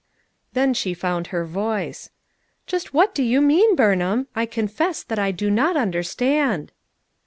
Then she found her voice. "Just what do you mean, Burnham? I confess that I do not understand."